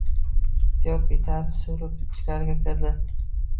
Tiyoko itarib, surib ichkariga kirdi